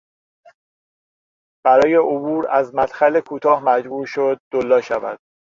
برای عبور از مدخل کوتاه مجبور شد دولا شود.